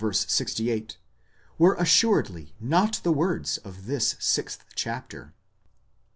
68), were assuredly not the words of this sixth chapter.